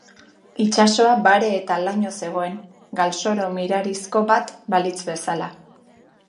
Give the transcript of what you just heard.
Itsasoa bare eta laño zegoen, galsoro mirarizko bat balitz bezala.